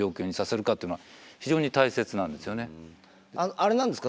あれなんですか？